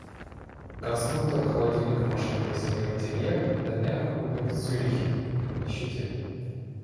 Конструктор холодильных машин Казимир Телье на днях умер в Цюрихе в нищете.